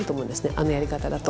あのやり方だと。